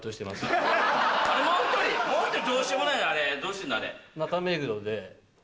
もう１人どうしようもないあれどうしてんの？